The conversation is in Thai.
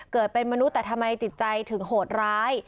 เกิดเป็นมนุษย์แต่ทำไมจิตใจถึงโหดร้าย